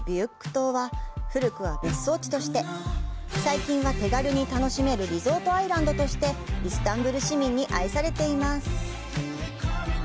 島は古くは別荘地として、最近は手軽に楽しめるリゾートアイランドとしてイスタンブル市民に愛されています。